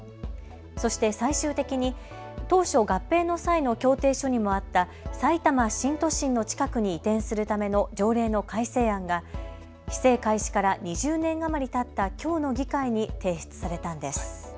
そして最終的に当初、合併の際の協定書にもあったさいたま新都心の近くに移転するための条例の改正案が市政開始から２０年余りたったきょうの議会に提出されたんです。